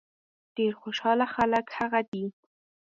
ډېر خوشاله خلک هغه دي.